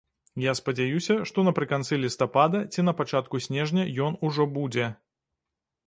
Я спадзяюся, што напрыканцы лістапада ці на пачатку снежня ён ужо будзе.